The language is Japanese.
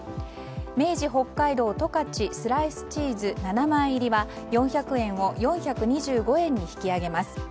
明治北海道十勝スライスチーズ７枚入りは４００円を４２５円に引き上げます。